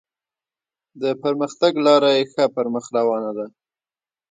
د پرمختګ لاره یې ښه پر مخ روانه ده.